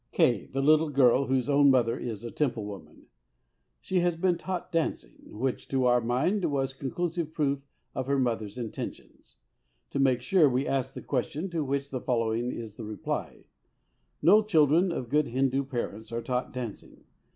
K., the little girl whose own mother is a Temple woman. She has been taught dancing, which to our mind was conclusive proof of her mother's intentions. To make sure we asked the question, to which the following is the reply: "No children of [good] Hindu parents are taught dancing.